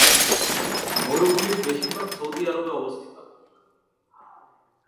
মরুভূমির বেশিরভাগ সৌদি আরবে অবস্থিত।